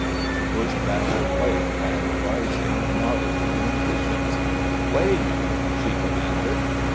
She pushed back her plate, and, rising, nodded to the musicians. "Play, you!" she commanded.